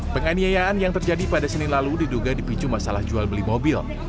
penganiayaan yang terjadi pada senin lalu diduga dipicu masalah jual beli mobil